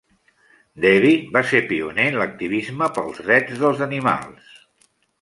Devi va ser pioner en l'activisme pels drets dels animals.